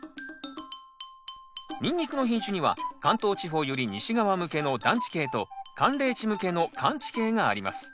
ニンニクの品種には関東地方より西側向けの暖地系と寒冷地向けの寒地系があります。